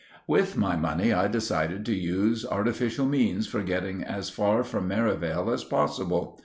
With my money I determined to use artificial means for getting as far from Merivale as possible.